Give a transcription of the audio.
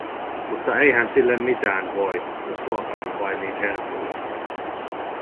Mutta eihän sille mitään voi, jos ruoka on vain niin herkullista.